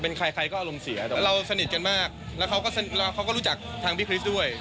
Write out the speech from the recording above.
เป็นใครใครก็อารมณ์เสียเราสนิทกันมากแล้วเขาก็รู้จักทางพี่คริสต์ด้วย